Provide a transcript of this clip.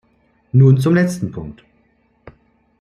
Nun zum letzten Punkt.